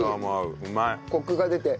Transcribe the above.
コクが出て。